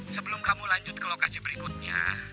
sebelum kamu lanjut ke lokasi berikutnya